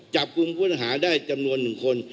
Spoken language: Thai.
จับคลุมพื้นหาได้จำนวน๑คน